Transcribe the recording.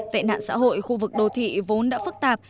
tệ nạn xã hội khu vực đô thị vốn đã phức tạp